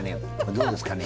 どうですかね。